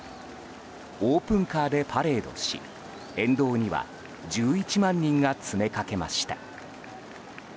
オープンカーでパレードし沿道には１１万人が詰めかけました。